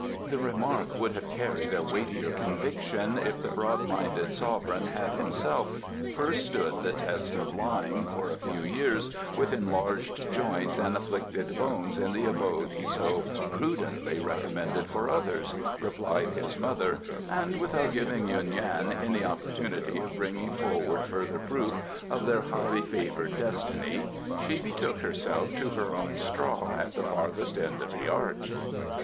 "The remark would have carried a weightier conviction if the broad minded sovereign had himself first stood the test of lying for a few years with enlarged joints and afflicted bones in the abode he so prudently recommended for others," replied his mother, and without giving Yuen Yan any opportunity of bringing forward further proof of their highly favoured destiny she betook herself to her own straw at the farthest end of the arch.